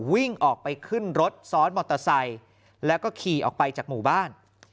วิ่งออกไปขึ้นรถซ้อนมอเตอร์ไซค์แล้วก็ขี่ออกไปจากหมู่บ้าน